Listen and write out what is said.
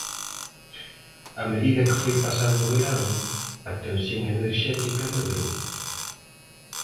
A medida que foi pasando o verán, a tensión enerxética medrou.